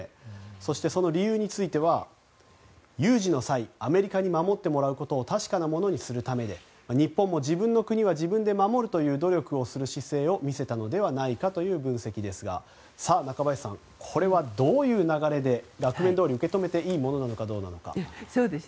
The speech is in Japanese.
そして、その理由については有事の際アメリカに守ってもらうことを確かなものにするためで、日本も自分の国は自分で守るという努力をする姿勢を見せたのではないかという分析ですがさあ、中林さんこれはどういう流れで額面どおり、受け止めていいものなのかどうか。